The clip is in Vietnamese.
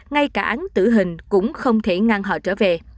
ngay cả án tử hình cũng không thể ngang họ trở về